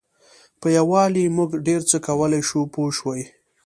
په یووالي موږ ډېر څه کولای شو پوه شوې!.